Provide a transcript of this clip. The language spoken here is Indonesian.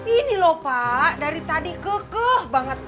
ini loh bak dari tadi kekeuh banget